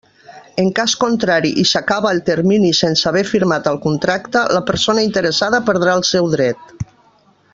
En cas contrari i s'acaba el termini sense haver firmat el contracte, la persona interessada perdrà el seu dret.